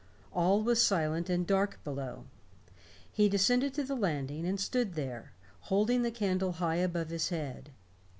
All was silent and dark below. He descended to the landing, and stood there, holding the candle high above his head.